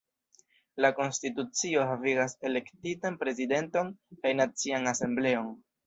La konstitucio havigas elektitan Prezidenton kaj Nacian Asembleon.